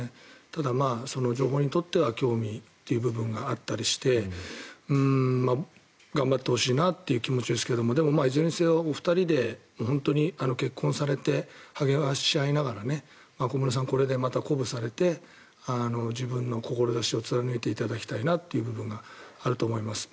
ただ、情報にとっては興味という部分があったりして頑張ってほしいなという気持ちですがいずれにせよお二人で本当に結婚されて励まし合いながら小室さん、これでまた鼓舞されて自分の志を貫いていただきたいなという部分があると思います。